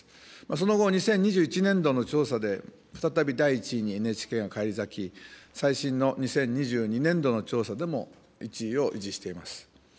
その後、２０２１年度の調査で再び第１位にＮＨＫが返り咲き、最新の２０２２年度の調査でも１位を維持しています。